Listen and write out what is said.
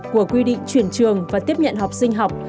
của quy định chuyển trường và tiếp nhận học sinh học